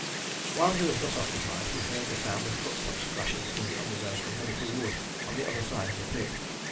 While he was thus occupied he heard the sound of footsteps crashing through the undergrowth of the little wood on the other side of the pit.